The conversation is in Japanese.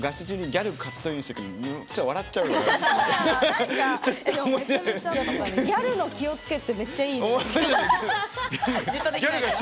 ギャルの、気をつけってめっちゃいいね。